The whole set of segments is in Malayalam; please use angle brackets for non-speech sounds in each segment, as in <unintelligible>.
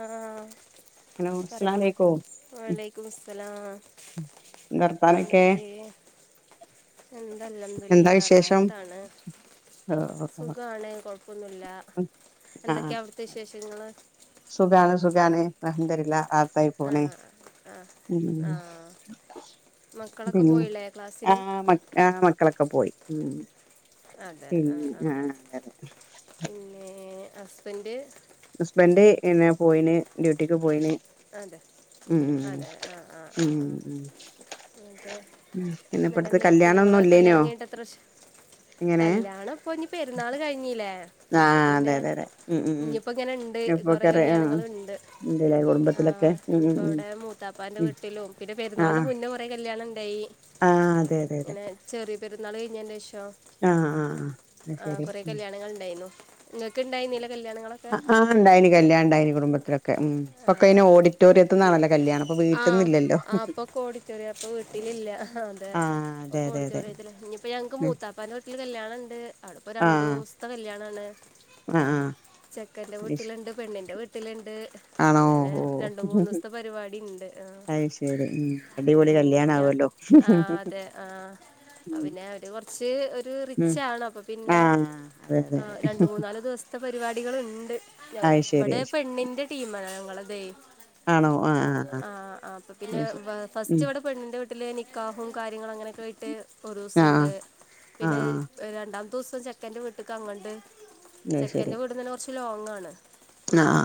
ആഹ് ഹലോ അസ്സലാമു പറയൂ അലൈക്കും വാ അലെയ്ക്കുംമുസ്ലാലാം വർത്താനൊക്കെ ഓക്കെ എന്താ അൽഹംദുലില്ലാ റാഹത്താണ്. ആഹ് സുഖാണ്. കൊഴപ്പൊന്നും ഇല്ലാ ആഹ് എന്തൊക്കെയാ അയുട്ത്തെ വിശേഷങ്ങൾ? സുഖാണ് സുഖാണ്. അൽഹംദുലില്ലാ. ആഹ് ഖായി ആ പോണ്. ആ ഉം ആ മക്കളൊക്കെ ഉം പോയില്ലേ ക്ലാസ്സിന് ആഹ് മക്ക ആഹ് മക്കളൊക്കെ പോയി. ഉം അതെ ആ ആ പിന്നെ ആ ആഹ് അതെ അതെ. പിന്നെ ഹസ്ബെന്റ് ഹസ്ബെന്റ് എന്നെ പോയിന്. ഡ്യൂട്ടിക്ക് പോയിന്. അതെ ഉം ഉം അതെ ആഹ് ആഹ് ആഹ്. ഉം ആഹ് ഉം ഇന്നെട്ട് ഉം പിന്നെ ഇന്നെട്ട് ഇപ്പടുത്ത് എന്തെക്കെ കല്യാണം ഇങ്ങളെ ഒന്നും ഒക്കെ ഇല്ലേനോ കല്യാണം കഴിഞ്ഞിട്ട് എത്ര വർഷം ഇങ്ങനെ കല്യാണം പ്പൊ ഇഞ്ഞ് പെരുന്നാൾ കഴിഞ്ഞ്ലെ അപ്പ ആഹ് അതെ പിന്നെ അതെ അതെ ഉം ഉം ഉം ഇഞ്ഞ് ഇപ്പം ഇങ്ങനെ ഇണ്ട് കൊറെ കല്യാണങ്ങൾ ഇണ്ട്. ഇണ്ട്ലെ ഒട് ആഹ്. ഇഞ്ഞ് ഇപ്പം അയുടെ മൂത്താപ്പാന്റെ ഉം വീട്ട്ലും. പിന്നെ പെരുന്നാളിന്റെ ആഹ് മുന്നേ കൊറെ കല്യാണം ഇണ്ടായി ആഹ്. അതെ അതെ അതെ. ചെറിയ പെരുന്നാൾ കഴിഞ്ഞെയിന്റെ ശേഷം. ആഹ് ആഹ് ആഹ് അത് ആഹ് ശരി കൊറെ ഉം. കല്യാണങ്ങൾ ഇണ്ടായിന്നു. ഇങ്ങക്ക് ഇണ്ടായിന്നീലാ കല്യാണങ്ങൾ അ ആഹ് ഇണ്ടയിനി കല്യാണം ഇണ്ടായിനി കുടുംബത്തിലൊ ക്കെ ഉം ആ ഇപ്പൊക്കെയ്ന് ഓഡിറ്റോറിയത്ത്ന്ന് ഇനി- ആണല്ലോ കല്യാണം. ഇപ്പം വീട്ട്ന്ന് ഇല്ലല്ലോ? ശരിയാ ഇപ്പം വീട്ടിൽ ഇല്ലാ ആഹ് അതെ ഒക്കെ അതെ അതെ ഓടിറ്റോറിയത്തിൽ. ഇഞ്ഞ് ഇപ്പം ഞങ്ങക്ക് ഉം. മൂത്താപ്പാന്റെ വീട്ട്ൽ കല്യാണം ഇണ്ട്. അയുടെ ഇപ്പം രണ്ടു ആഹ് സ്ത്തെ കല്യാണം ആണ്. ആഹ് ആഹ് ചെക്കന്റെ അയ്ശ് വീട്ട്ൽ ഇണ്ട്. പെണ്ണിന്റെ വീട്ട്ൽ ഇണ്ട്. ആണോ അങ്ങനെ ഓ രണ്ട് മൂന്ന് ദുവ്സത്തെ പരിപാടി ഇണ്ട്. ആഹ് അത് ശരി ഉം അടിപൊളി ഉം ഞ കല്യാണാവല്ലോ ആഹ് അതെ ആഹ് ഉം പിന്നെ അവര് കൊർ ച്ച് ഒരു ഉം റിച്ച് ആണ് അപ്പ പിന്നെ ആഹ് അതെ അതെ ഏഹ് അതെ രണ്ട് മൂന്നാല് ദിവ്സ ത്തെ പരിപാടികൾ ഇണ്ട്. ഞ അത് ശരി ഇബടെ അത് ശരി പെണ്ണിന്റെ ടീമാണ് ഞങ്ങൾ ഒക്കെയ്. ആണോ? ആഹ് ആഹ് ആഹ് അപ്പ പിന്നെ അത് ശരി വാ ഉം ഫസ്റ്റ് ഇവടെ പെണ്ണിന്റെ വീട്ട്ൽ നിക്കാഹും കാര്യങ്ങളും അങ്ങനെയൊക്കെ ആയിട്ട്. ഒരൂസം ആഹ് ഇണ്ട്. ആഹ് രണ്ടാമത്തെ ദുവ്സം ചെക്കന്റെ വീട്ട്ക്ക് അങ്ങട്ട് അത് ശരി ചെക്കന്റെ വീട്ന്നെന്നെ കൊർച്ച് ലോങ്ങാണ്. ആഹ്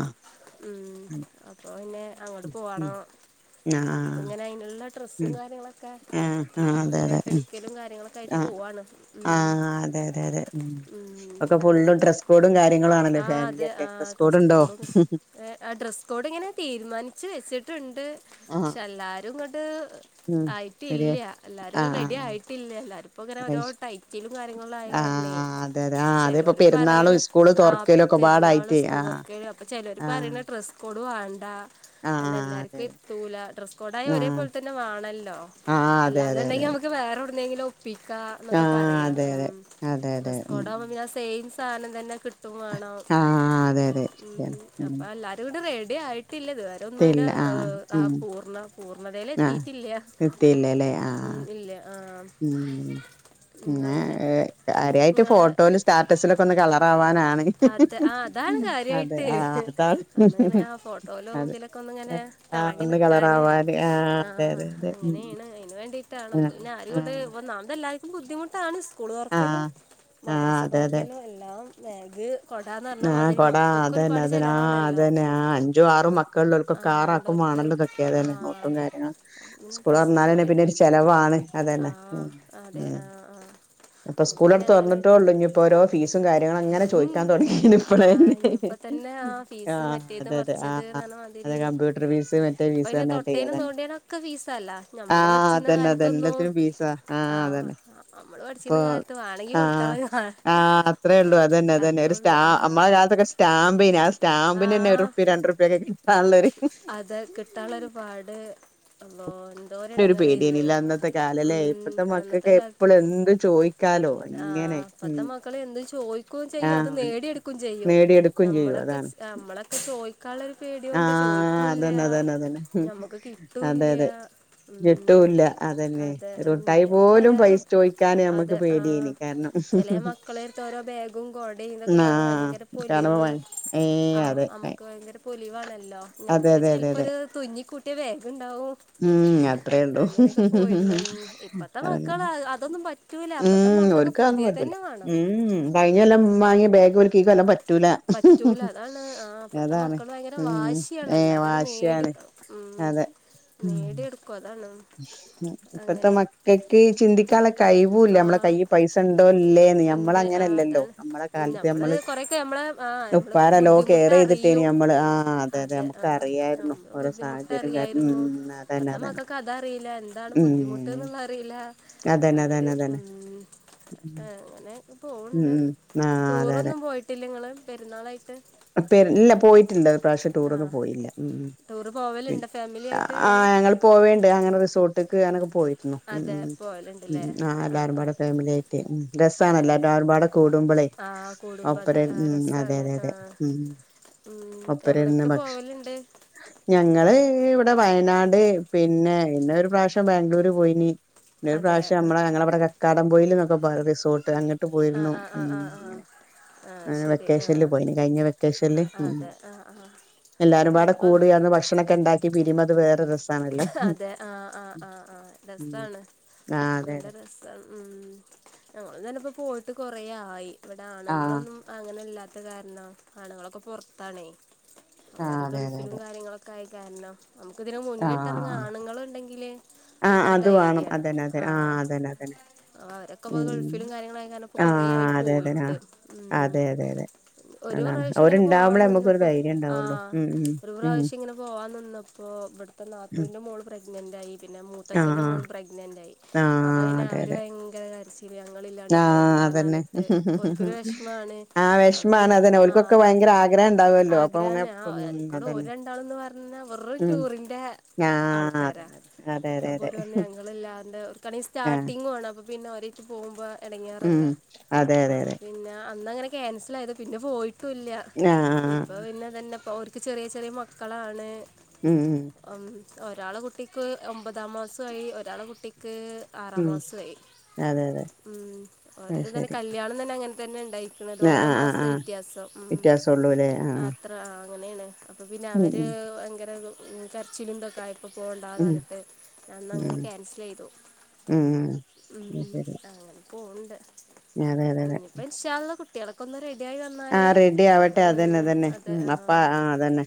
ഉം. അതെ. അപ്പ പിന്നെ അങ്ങട്ട് ഉം ഉം പോവണം ആഹ് ഇപ്പം ആഹ് ഇങ്ങനെ അയിനുള്ള ഡ്രെസ്സും ഉം കാര്യങ്ങളൊക്കെ ആഹ് ആഹ് അതെ ഇങ്ങനെ അതെ എട് ഉം. ക്കെലും കാര്യങ്ങളൊക്കെ ആയിട്ട് ആഹ് പോവാണ്. ഉം ആഹ് അതെ അതെ ഉം അങ്ങനെ സ് കോഡും കാര്യങ്ങളും ആണല്ലോ ആ ഫാമിലി ഒക്കെ ഡ്രെസ്കോഡ് ഇണ്ടോ? ഏഹ് ആഹ് ഡ്രെസ് കോഡ് ഇങ്ങനെ തീര്മാനിച്ച് വെച്ച്ട്ട് ഇണ്ട്. ആഹ്. ക്ഷെ എല്ലാവരുംകൊണ്ട്. ഉം ആയിട്ടില്ല. ശരിയായി എല്ലാരും ആഹ് റെഡി ആഹ് ആയിട്ടില്ല. എല്ലാരുംപ്പോ ഇങ്ങനെ ആഹ് അത് ശരി ഓരോടൈറ്റിലും. ലും കാര്യയങ്ങള് ആയ കാരണേ ആഹ് അതെ അതെ ആഹ് അതെപ്പൊ ചിലര് പെരുന്നാളും പറയണ് സ്കൂള് ആ തുറക്കലും പെരുന്നാള് ഒക്കെപാടായിട്ടേ ആഹ് സ്കൂൾറക്ക അപ്പ ആഹ് ചിലർപറയുന്ന ഡ്രസ് കോഡുവേണ്ട. ആഹ് എന്നാ അതെ എല്ലാർക്കു അതെ എത്തുല. ഡ്രസ് കോഡായ ഒരേ ആഹ് പോലെ തന്നെ വേണല്ലോ. ആഹ് അതെ അതെ അതെ അല്ലാന്നുണ്ടെങ്കി അതെ നമക്ക് വേറെോടുന്നെങ്കിലും. പിക്ക എന്നൊക്കെ ആഹ് പറയാ. അതെ അതെ ഉം. അതെ അതെ ഉം ഡ്രസ്കോടാകുമ്പോ സെയിം സാധനം തന്നെ വേണം. ആഹ് അതെ അതെ ശരിയാണ് ഉംഅപ്പ ഉം എല്ലാരും കൂടി റെഡിയിട്ട് ത്തിട്ടില്ല. തവരെ ഒന്നും അന്റെ എത്തിയില്ല ആഹ് ആ ഉം പൂർണ്ണ പൂർണ്ണതയിൽ ആഹ് എത്തിട്ടില്ല. എത്തിയില്ലല്ലേ ഉ. ആഹ് ഇല്ലേ. ആ. ഉം ഉം, പിന്നെ അങ്ങനെ കാര്യായിട്ട് നിങ്ങളെ ഫോട്ടോല് സ്റ്റാറ്റസിലൊക്കെ ഒന്ന് കളർ ആവാനാണ്. അത് ആ അതാണ് അതെ കാര്യമായിട്ട് ആഹ് അതാണ് അന്നിങ്ങനെ ആഹ് ഫോട്ടോയിലും അതെ. ഇതിലൊക്കെ ഒന്നിങ്ങനെ ഏഹ് ആഹ് തെളങ്ങി ഒന്ന് നിക്കാന്. കളറാവാന് അതെ ആഹ് അതെ അതെ ഉം അങ്ങനേണ് അയിന് വേണ്ടി ട്ടാണ് ഉം ആഹ് പിന്നെ ആരുങ്ങട്ട് ഒന്നാമത് എല്ലാർക്കും ബുദ്ധിമുട്ടാണ്. സ്കൂള് ആഹ് തൊറക്കലും ആഹ് ആഹ് മദ്രസ അതെ അതെ. തൊറക്കലും എല്ലാം ബാഗ് കൊടാന്ന് പറഞ്ഞ ആഹ് മാതിരി കൊടാ മക്കക്ക് അതന്നെ ഒരുപാട് അതന്നെ ആഹ് ചെലവാണല്ലോ. അതന്നെ ആഹ് അഞ്ചും ആറും മക്കളിള്ളോർക്കൊക്കെ ആറാക്കും ഉള്ളവർക്ക് വാണല്ലോതൊക്കെ ആ അതന്നെ നോട്ടും കാര്യങ്ങും. അപ്പം പിന്നെ സ്കൂൾ ഡ്രസ് തൊറന്നാല് തന്നെ കോഡ് പിന്നെരു ചെലവാണ് അതന്നെ ഉം ഉം ആഹ് ആഹ് അപ്പൊ സ്കൂളട് തൊറന്നിട്ടോള്ളെങ്കി ഇപ്പൊ ഓരോ ഫീസും കാര്യങ്ങളും അങ്ങനെ ചോയിക്കാൻ തൊടങ്ങിണ് ഇപ്പളന്നെ ഇനിയിപ്പോൾ തന്നെ ആ ഫീസ് ആഹ് മറ്റേത് അതെ അതെ മറച്ചത് ന്ന് ആഹ് അതെ പറഞ്ഞമാതിരി കമ്പ്യൂട്ടർ ഫീസ് മറ്റേ ഇപ്പ ഫീസ് പിന്നെ പറഞ്ഞിട്ടെ തൊട്ടേനും അതന്നെ തോണ്ടിയേനൊക്കെ ഫീസളള. ഞമ്മള് ആഹ് പഠിച്ചിര്ന്ന അതന്നെ അതന്നെ കാലത്തൊന്നും എല്ലാത്തിനും ഫീസാ ആഹ് അതന്നെ നമ്മള് ഇപ്പൊ പഠിച്ചിന്ന കാലത്ത് വാണെങ്കി ആഹ് കൊടുത്താമതി ആഹ് അത്രേ ഒള്ളു അതന്നെ അതന്നെ ഒരു സ്റ്റാ നമ്മളെ കാലത്തൊക്കെ സ്റ്റാമ്പേനി ആഹ് സ് ആ സ്റ്റാമ്പിനന്നെ ഒറുപ്യ രണ്ടുർപ്പ്യൊക്കെ കിട്ടാനുള്ളൊരു അത് കിട്ടാനുള്ളൊരു പാട് അള്ളോഹ് ഒരു എന്തോരെടങ്ങറേന്ന് പേടിയേനില്ല അന്നത്തെ ഉം അന്നത്തെ കാലത്ത് എന്തും ചോയിക്കാലോ. ഇങ്ങനെ ആഹ് ഉം പ്പത്തെ മക്കളെന്തും ചോയി ക്കും ചെയ്യും അത് ആഹ് നേടിയെടുക്കും ചെയ്യും നേടിയെടുക്കും ചെയ്യും നമ്മളൊക്കെ അതാണ് നമ്മളൊക്കെ ചോയിക്കാന്ള്ളൊരു പേടിയോണ്ട് ആഹ് ചോയിക്കൂല്ല അതന്നെ അതന്നെ അതന്നെ ഉം. ഞമ്മക്ക് അതെ അതെ കിട്ടൂല്യ. കിട്ടൂല്ല അതന്നെ ഒരു മുട്ടായി നമുക്ക് പോലും മര്യാദക്ക് പൈസ ചോയിക്കാന് നമ്മക്ക് അതെ പേടിയെനി കാരണം. പ്പത്തെ ഓരോ ബാഗും കോടിം ഇതൊക്കെ കാണുമ്പോ ആഹ് ഭയങ്കര പൊലിവ് കാരണം ഏ ആഹ് അതെ നമ്മക്ക് ഭയങ്കര പൊലിവാണല്ലോ അതെ ഞമ്മക്ക് അതെ അതെ ചെലപ്പോ അതെ ഒരു തുന്നിക്കൂട്ടിയ ബാഗ്ണ്ടാവും. ഉം അത്രേ ഉള്ളൂ അങ്ങനെക്കെ പോയിരുന്നു ഉം ഇപ്പത്തെ അതന്നെ മക്കള് അതൊന്നും പറ്റൂല. ഇപ്പ ഉം ഓൽക്കതൊന്നും പറ്റൂല ഉം കഴിഞ്ഞ കൊല്ലം വാങ്ങിയ ബാഗ് ഓൽക്ക് കിക്കൊല്ലം പറ്റൂല. പറ്റൂല അതാണ് ആഹ് ഇപ്പത്തെ അതാണ് മക്കള് ഭയങ്കര ഉം ഏ വാശിയാണല്ലോ അതട് നേടി വാശിയാണ് ഉം നേടിയെടുക്കും അതാണ്. ഇപ്പഴത്തെ അങ്ങനെ മക്കക്ക് ചിന്തിക്കാൻ ള്ള കഴിവൂല്ല നമ്മളെ ആ കൈ പൈസ ണ്ടോ ല്ലേന്ന് ഉണ്ട് ആ ഞാമ്മളങ്ങനെല്ലല്ലോ അതാണ് ഞമ്മളെ കാലത്ത് നമ്മൾ ഞമ്മള് കുറേയൊക്കെ നമ്മളെ ആ നമ്മൾ ഉപ്പാരെല്ലോ കെയർ ചെയ്തിട്ടേനി ബുദ്ധിമുട്ടറിയും ഞമ്മള്, ആഹ് അതെ അതെ ഞമ്മക്ക് അറിയാര്ന്നു നമ്മൾ ഓരെ സാഹ ചര്യം കാരണം, ഉം അതന്നെ അതന്നെ. അതറീല്ല എന്താണ് ഉം ബുദ്ധിമുട്ട്ന്ന്ള്ളെ അറിയില്ല. അതന്നെ അവര് അതന്നെ അതന്നെ ഉം. ഉം അങ്ങനെ പോണ് ഉം ണ്ട്. ഉം. ആ അതെ അതെ ടൂറൊന്നും പോയിട്ടില്ല ഇങ്ങള് പെര്ന്നാളായിട്ട്? പെര് ഇല്ല പോയിട്ടില്ല ഇപ്രാവശ്യം ടൂറൊന്നും പോയില്ല ഉം ഉം. ടൂറ് പോവല്ണ്ടൊ ഫാമിലി ആയിട്ട്? അങ്ങനെ ആഹ് ഞങ്ങള് പോവേണ്ട്. അങ്ങനെ റിസോർട്ട്ക്ക് അങ്ങനൊക്കെ പോയി രുന്നു. ഉം അതെ ഉം. ഉം പോവലുണ്ടല്ലേ ഉം. ആഹ് ആ ആ എല്ലാരുംപാടേ ഫാമിലി ആയിട്ടെ ഉം. അതെ രസാണെല്ലാരു ആർഭാടെ കൂടുമ്പളേ. ആ കൂടുമ്പോൾ അത് ഒപ്പരെ ഉം അതെ രസമാണ് അതെ ആ അതെ. ഉം ഒപ്പരെന്നെ എവിടെയൊക്കെ ഭക്ഷ പോവലുണ്ട് ഞങ്ങള് ഇവിടെ വയനാട് പിന്നെ പിന്നെ ഒരു പ്രാവശ്യം ബാംഗ്ലൂര് പോയിന്. പിന്നെ ഒരു അതെ പ്രാവശ്യം നമ്മളെ ഞങ്ങളിവിടെ കക്കാടം പോയിൽന്നൊക്കെ പറയു റിസോർട്ട്, അങ്ങൻ ട്ട് ആ പോയിരുന്നു ആ ആ ആ ആ ഉം ആ ആ അങ്ങനെ. ശരി ആ വെക്കേഷനിൽ പോയിന്, കഴിഞ്ഞ വെക്കേഷനില് ഉം. അതെ ആ ആ എല്ലാരുംപാടെ നമ്മളിപ്പോൾ കൂടി അന്ന് ഭക്ഷണൊക്കെ ഇണ്ടാക്കി പിരിയുമ്പോ അത് വേറൊരു രസ അതെ ആഹ് ആഹ് ആഹ് ആഹ് ഉം രസാണ് ആഹ് അതെ നല്ല അതെ രസ ഉം ഞങ്ങളും തന്നെപ്പൊ പോയിട്ട് കൊറേ ആയി. ഇവിടെ ആഹ് ആണുങ്ങളൊന്നും അങ്ങനെ ഇല്ലാത്ത കാരണം. ആണുങ്ങളൊക്കെ പൊറത്താണേ ആഹ് അവര് അതെ അതെ ഗൾഫിലും അതെ കാര്യങ്ങളൊക് ക്കായ കാരണം. നമ്ക്കിതിന് മുന്നിട്ടിറങ്ങാൻ ആഹ് ആണ്ങ്ങള്ണ്ടെങ്കില് ആഹ് നമുക്കൊരു അത് വേണം ധൈര്യാണ് അതന്നെ അതന്നെ ആഹ്. അതന്നെ അതന്നെ ആഹ് അവരൊക്കെ ഇപ്പ ഉം ഗൾഫിലും കാര്യങ്ങളു ആയ കാരണം ഇപ്പൊ കൊറേ ആഹ് ആയി അതെ അതെ പോയിട്ട് ആഹ് ഉം. അതെ അതെ അതെ ഒരു അതാണ് പ്രാവശ്യം ഇങ്ങനെ പോവാൻ അവരുണ്ടാവുമ്പളേ നമുക്കൊരു നിന്നപ്പോ, ധൈര്യം ഉണ്ടാവുള്ളൂ ആഹ്. ഉം ഒരു ഉം പ്രാവശ്യം ഇങ്ങനെ പോവാൻ നിന്നപ്പോ ഇവിടുത്തെ ഉം നാത്തൂൻ്റെ മോള് പ്രഗ്നന്റ് ആയി പിന്നെ ആഹ് മൂത്തച്ഛൻ്റെ മോളും പ്രഗ്നന്റായി. ആഹ് അപ്പൊ ആഹ് പിന്നെ അതെ അവര് അതെ ഭയങ്കര കരച്ചി ല് ഞങ്ങളില്ലാണ്ട് ആഹ് പോകണ്ടാന്ന് അതന്നെ പറഞ്ഞിട്ട് ഓരിക്കൊരു വെഷ്മാണ്. ആഹ് അപ്പ വെഷമാണ് പിന്നെ അതന്നെ ആഹ്. ഓൽക്കൊക്കെ ആഹ് ഭയങ്കര ആഗ്രഹം ഉണ്ടാവല്ലോ അപ്പൊ അങ്ങ ആഗ്രഹന്നെ. ആഹ് ഉം കുടു ഓര് അതന്നെ രണ്ടാളുംന്ന് പറഞ്ഞ വെറും ഉം ടൂറിന്റെ ആഹ് ആൾക്കാരാ. അതന്നെ അതെ അതെ അതെ അപ്പോര് പറഞ്ഞ് ഞങ്ങളില്ലാണ്ട്, ഓര്ക്കാണെങ്കി ആഹ് സ്റ്റാർട്ടിങ്ങുവാണ്. അപ്പൊ പിന്നെ ഓരെ ട്ട് പോവുമ്പോ ഉം എടങ്ങേറല്ലേ? അതെ അതെ അപ്പൊ അതെ പിന്നെ അന്നങ്ങനെ ക്യാൻസൽ ആയത്. പിന്നെ പോയിട്ടൂല്ല. ഇപ്പൊ ആഹ് പിന്നെ തന്നെ പോ ക്ക് ചെറിയ ചെറിയ മക്കളാണ്. ഉം ഉം. മം. ഒരാള കുട്ടിക്ക് ഒമ്പതാം മാസവായി ഒരാളെ കുട്ടിക്ക് ആറാം ഉം മാസോ ആയി അതെ അതെ ഉം. അത് ഓരത് തന്നെ ശരി കല്യാണം തന്നെ അങ്ങനെ തന്നെ ഇണ്ടായി ന്നത്. ആഹ് ഓരോ ആഹ് ആഹ് മാസത്തെ ആഹ് വ്യത്യാസം ഉം. വ്യത്യാസൊള്ളൂല്ലേ അ ആഹ് ത്ര അങ്ങനെയാണ്. അപ്പ പിന്നെ ഉം അവര് ഉം ഭയങ്കര കരച്ചിലും ഇതൊക്കെ ആയി ഇപ്പ പോണ്ടാന്ന് ഉം പറഞ്ഞിട്ട് ഞാന്നങ്ങനെ ഉം ക്യാൻസലെയ്തു. ഉം അത് ഉം ശരി അങ്ങനെ പോണ്ട്. അതെ അതെ അതെ ഇനിയിപ്പോ ഇൻഷാ അല്ലാഹ് കുട് ട്ട്യേളൊക്കെ ഒന്ന് റെഡിയായി വന്നാ ആഹ് റെഡി ആവട്ടെ അതന്നെ അതന്നെ ഉം. ആ. അപ്പ ആഹ് അതന്നെ.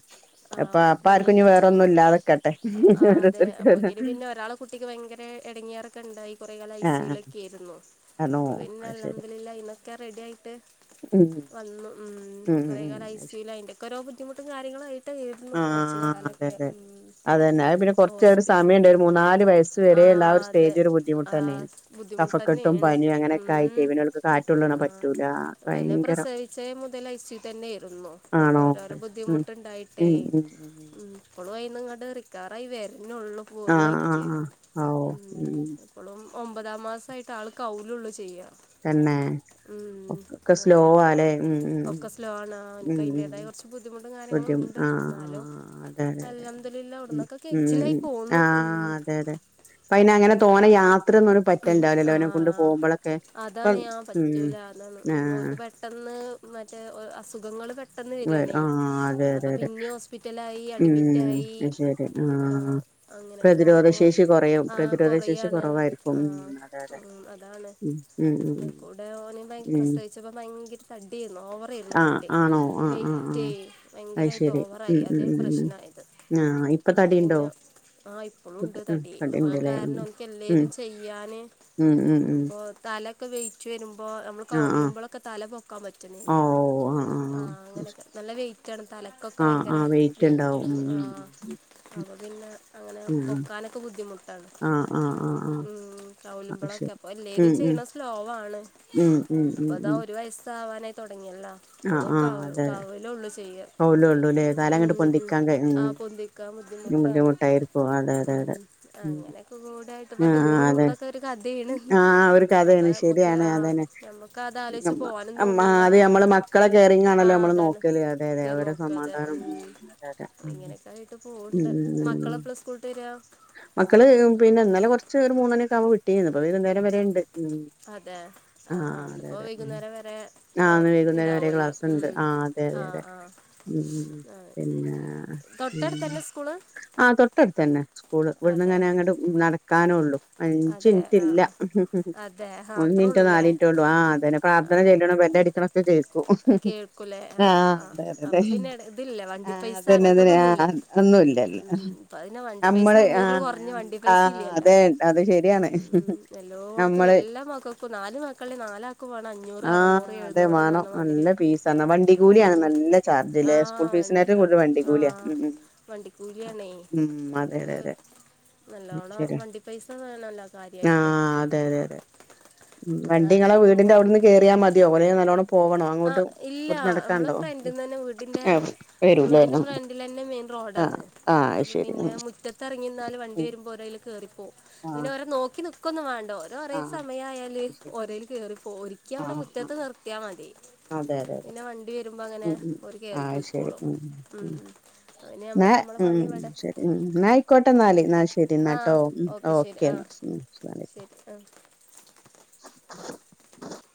ആ ഇപ്പൊ അപ്പം അപ്പ ആർക്കും പിന്നെ ഇഞ്ഞ് വേറൊന്നു ല്ലാത്ക്കട്ടെ. ആഹ് അതെ ഓരോര്ത്തർക്ക് ഓരോ അപ്പോഴേക്കിന് പിന്നെ ഒരാളെ കുട്ടിക്ക് ഭയങ്കര എടങ്ങേറക്കെ ഇണ്ടായി കൊറെ കാലം ഐ സി യു ആഹ് വിലൊക്കെ ആയിരുന്നു. ആണോ ഇപ്പൊ പിന്നെ അത് ശരി അൽഹംദുലില്ലാഹ് അയിൽന്നൊക്കെ റെഡിയായിട്ട് ഉം വന്നു ഉം. കൊറേ കാലം ഐ സി യു ലായി. അയിന്റൊക്കെ ഓരോ ബുദ്ധിമുട്ടും കാര്യങ്ങളായിട്ട് ആയിരുന്നു കൊറച്ച് ആഹ് അതെ കാലൊക്കെ അതെ ഉം. അതന്നെ. അത് പിന്നെ കൊറച്ച് ഒരു ഹോസ്പിറ്റൽ സമയണ്ട് ഒരു മൂന്നാല് വയസ്സ് വരെ ഇള്ള ആ ഒരു സ്റ്റേജ് ഒരു ആ ബുദ്ധിമുട്ടന്നെയാണ്. കഫക്കെട്ടും ബുദ്ധിമുട്ടന്നെയാണ് പനിയും അങ്ങനെയൊക്കെ ഉം ആയിറ്റെ. പിന്നെ ഓൾക്ക് കാറ്റൊള്ളണ പറ്റൂല. ഭയങ്കരം ച്ചേ മുതൽ ഐസിയു തന്നെയിരുന്നു ഓനിക്ക് ആണോ ഓരോരോ ഉം ബുദ്ധിമുട്ടുണ്ടായിട്ടേ ഉം ഉം ഉം ഇപ്പളും അയ്ന്ന്ങ്ങട്ട് റിക്കവറായി വെര്നൊള്ളൂ ആഹ് പൂർണയിറ്റ് ആഹ് ആഹ് ആവോ ഉം പ്പളും ഒമ്പതാം മാസായിട്ട് ആള് കൗലുള്ളു ചെയ്യ തന്നെ ഒക്കെ സ്ലോ അങ്ങനെ ആല്ലേ ഉം ഉം ഒക്കെ സ്ലോ ആണ് അവനക്ക് ഉം ഉം അതിൻ്റേതായ കുറച്ച് ബുദ്ധിമുട്ടും കാര്യങ്ങളും ബുദ്ധിമു ഉണ്ട് ആഹ് എന്നാലും ആഹ് ആഹ് അതെതെ അതെ അലഹമില്ല ഉം അവിടുന്നൊക്കെ ഉംഉം കഴിച്ചിലായി ഉം പോന്ന് ആഹ് ഉം. അതെ തെതെ അപ്പയ്നങ്ങനെ തോനെ യാത്രയൊന്നും ഓന് പറ്റൽണ്ടാവൂല്ലലേ ആ ഓനെ കൊണ്ട് പോകുമ്പളക്കെ അതാണ് ആ പറ്റൂല അതാണ് ഉം ആഹ് ഓൽക്ക് പെട്ടെന്ന് മറ്റേ അസുഖങ്ങള് പെ വ ആഹ് അതെ അതെ അതെ ഹോസ്പിറ്റലായി അഡ്മിറ്റായി ഉം ശരി ആഹ് അങ്ങനെയൊക്കെ പ്രതിരോധ ആകുമ്പോൾ ശേഷി കൊറയും പ്രതിരോധ ശേഷി കൊറവായിരിക്കും ആഹ് ഉം അതാണ് ഉം ഉം അയ്ക്കൂടെ ഓന് ഉം പ്രസവിച്ചപ്പോ ഭയങ്കര തടിയേര്ന്നു. ഓവറേര്ന്നു ആഹ് തടി ആണോ ആഹ് ആഹ് വെയിറ്റെ ആഹ് അത് ഭയങ്കരായിട്ട് ശരി ഓവറായി ഉം ഉം അതേ ഉം ഉം പ്രശ്നായത് ആഹ് ഓനിപ്പ തടിണ്ടോ ആഹ് ഇപ്പളുണ്ട് തടി അപ്പ അത് ഉം കാരണം ഉം ഓൻകെന്തേലും ചെ ചെയ്യാന് ഉം ഉം ഉം അപ്പോ തലൊക്കെ വെയിറ്റ് വരുമ്പോ ഞമ്മൾ ആഹ് ആഹ് കൗലുമ്പളൊക് തല പൊക്കാൻ പറ്റുന്നില്ല ആഹ് അങ്ങനൊക്കെ നല്ല വെയിറ്റാണ് തല ക്കൊക്കെ ആഹ് ഭയങ്കര ആഹ് വെയിറ്റ് വൈറ്റ് ഉണ്ടാവും വന്ന് ഉം ആഹ് അപ്പ പിന്നെ അങ്ങനെ ഉം ഉം പൊക്കാനൊക്കെ ബുദ്ധിമുട്ടാണ് ആഹ് ആഹ് ആഹ് ഉം അത് ശരി കൗലുമ്പളൊക്കെ അപ്പൊ ഉം എല്ലേതും ഉം ചെയ്യ്ണ സ്ലോവാണ് ഉം ഉം ഉം ഇപ്പതാ ഉം ഒരു വയസ്സാവാനായി തൊടങ്ങിയല്ലോ ആഹ് അപ്പോളോ ആഹ് കാവ അതെ കാവലോള്ളു ചെയ്യ കൗലേ ഉള്ളൂല്ലേ കാലങ്ങട്ട് ഉം ഉം പൊന്തിക്കാൻ കഴ ആ ഉം പൊന്തി ക്കാൻ ബുദ്ധിമുട്ടാണ്. ബുദ്ധിമുട്ടായിരിക്കും അതെ അതെ ഉം അതെ ഉം അങ്ങനെയക്കെ കൂടായിട്ട് ആഹ് ടൂറും അതെ തൊക്കെ ഒരു കഥേണ്, ആഹ് ഒരു അപ്പം കഥയാണ് നമുക്ക് ശരിയാണ് ആഹ് അതന്നെ ഞമ്മ ക്കതാലോയ്ച്ച് നമ്മ- പോവാനും അമ്മ തോന്നൂലാ അത് നമ്മള് മക്കളെ കെയറിങ്ങാണല്ലോ നമ്മള് നോക്കല്. അതെ അതെ അവരെ സമാധാനും അതെ അതെ ഉം ങ്ങനൊക്കായിട്ട് ഉം പോവണ്ട്. ഉം ഉം മക്കളെപ്പളാ സ്കൂൾട്ടെരാ മക്കള് പിന്നെ ഇന്നലെ കൊർച്ച് ഒരു മൂന്നണി ഒക്കാവുമ്പ വിട്ടീനി. ഇന്ന്പ്പൊ മൂന്നണി വൈകുന്നേരം വരെ ണ്ട് ഉം അതെഅ ആഹ് ആ അതെ ന്ന്പ്പോ അതെ ഉം വൈകുന്നേരം വരെ ആ ഇന്ന് വൈകുന്നേരം ണ്ടാവും വരെ പോല്ല ക്ലാസ്ണ്ട് ഉം ആ അതെ അതെ അതെ ആഹ് ആഹ് ഉം ഉം ആഹ് പിന്നെ തൊട്ടടുത്തന്നെ സ്കൂള് ആഹ് തൊട്ടടുത്തന്നെ സ്കൂള് ഇവിടുന്ന്ങ്ങനെ ങ്ങട്ട് നടക്കാനോള്ളു അതെ ആ അഞ്ചിൻറ്റില്ല ആ അതെ ആ അത്രേ ഒന്നിൻറ്റൊ ഉള്ളൂ അല്ലേ നാലിൻറ്റൊ ഉള്ളൂ ആ അതന്നെ പ്രാർത്ഥന ചെല്ലിണ ബെല്ലടിക്കണഒക്കെ കേക് ക്കും. കേൾക്കൂലേ ആ ആ ആഹ ആ അതെതെ അതെ അപ്പൊ പിന്നെ ഇതില്ല ആ വണ്ടി പൈസ അതന്നെ അങ്ങനത്തെതൊന്നുമില്ല അതന്നെആഹ് ഒന്നുംല്ലല്ല ഉം ഇപ്പം അതിന് വണ്ടി പൈസ നമ്മള് അഞ്ഞൂറിൽ കുറഞ്ഞ ആഹ് വണ്ടി പൈസ ആഹ് അതെ അത് ശരിയാണ് എല്ലോട്ത്തും നമ്മള് എല്ലാ മക്കൾക്കും നാല് മക്കളിൽ നാലാക്കും വാണം അഞ്ഞൂറ് ആ അറുന്നൂറ് അതെ വാണം എഴുന്നൂറ്ന്നർഞ്ഞ മാതി നല്ല ഫീസണ് വണ്ടിക്കൂല്യാണ് നല്ല ആ ചാർജിലേ. സ്കൂൾ ഫീസിനേറ്റം കൂടുതൽ വണ്ടി കൂല്യ, ഉം അതെ. വണ്ടിക്കൂല്യാണേയ്, ഉം അതെ ഓര്ക് അതെ അതെ നല്ലോണം ശരി വണ്ടി പൈസ വേണല്ലോ കാര്യായിട്ട് ആഹ് അതെ അതെ അതെ ഉം വണ്ടി ങ്ങളെ വീടിൻന്റെവിടുന്ന് കേറിയാ മതിയോ കൊറേ നല്ലോണം പോവണോ ആ അങ്ങോട്ട് ഇല്ല കുറച്ച് അമ്മള് നടക്കാണ്ടോ ഫ്രണ്ട്ന്നന്നെ വീടിന്റെ ആഹ് വരൂലേ വീടിന്റെ ഫ്രണ്ടിലന്നെ മെ- റോഡാണ് ആഹ് ആഹ് ആഹ് അത് അപ്പം ശരി ഉം പിന്നെ മുറ്റത്തെർങ്ങിന്നാല് വണ്ടി ഉം വരുമ്പോ ഓര അതിൽ കയറിപ്പോവും പിനെ ഓരയ്ല് കേറി പോവും. ആഹ് പിന്നോരെ നോക്കി നിക് ക്കൊന്നും വാണ്ട ഓരോരേ ആഹ് സമയയാൽ അത് ശരി ഓരേയിൽ കേറിപ്പോരും ഒരിക്കവിടെ ആഹ് മുറ്റത്ത് ആഹ് നിർത്തിയാ മതി അതെ അതെ തെ പിന്നെ വണ്ടി വരുമ്പോൾ അങ്ങനെ മ് മ് ഒരു ആ ശെരി കയറിപ്പോയിക്കോളും മ് ഉം. മ് പിന്നെ ന്നാ നമുക്ക് നമ്മളെ മ് പണി ഇവിടെ ശെരി മ് ന്നാ ആയിക്കോട്ടെ ന്നാല് ന്നാ ശെരി ആ ന്നാട്ടോ മ് ശരി ഓക്കെ ആ എന്നാ <unintelligible> വ ലൈകുസ്സലാം ശരി ആ <inaudible> <unintelligible>